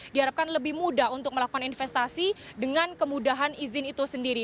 diharapkan lebih mudah untuk melakukan investasi dengan kemudahan izin itu sendiri